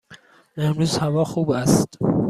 امروز هوا خوب است.